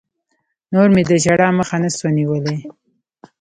نور مې د ژړا مخه نه سوه نيولى.